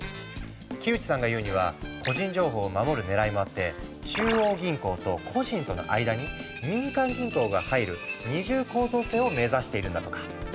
木内さんが言うには個人情報を守る狙いもあって中央銀行と個人との間に民間銀行が入る二重構造性を目指しているんだとか。